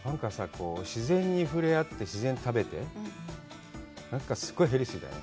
こう自然に触れ合って自然食べてなんかすごいヘルシーだよね